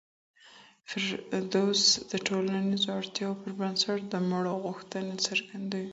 فردوسي د ټولنیزو اړتیاوو پر بنسټ د مړو غوښتنې څرګندوي.